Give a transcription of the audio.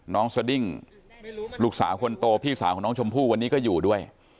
สดิ้งลูกสาวคนโตพี่สาวของน้องชมพู่วันนี้ก็อยู่ด้วย